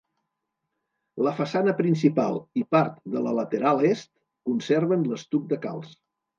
La façana principal i part de la lateral est conserven l'estuc de calç.